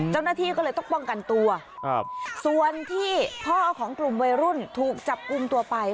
เจ้าหน้าที่ก็เลยต้องป้องกันตัวส่วนที่พ่อของกลุ่มวัยรุ่นถูกจับกลุ่มตัวไป